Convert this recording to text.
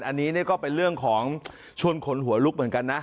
อันนี้ก็เป็นเรื่องของชวนคนหัวลุกเหมือนกันนะ